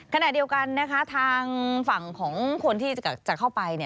ขณะเดียวกันนะคะทางฝั่งของคนที่จะเข้าไป